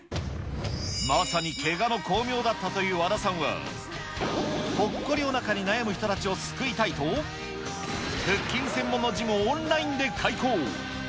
まさにけがの功名だったという和田さんは、ぽっこりおなかに悩む人たちを救いたいと、腹筋専門のジムをオンラインで開講。